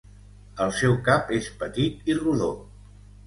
El seu cap és petit i rodó.